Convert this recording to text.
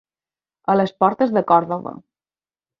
A les portes de Còrdova.